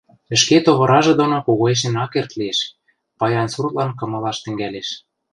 Ӹшке товыражы доно когоэшнен ак керд лиэш, паян суртлан кымалаш тӹнгӓлеш.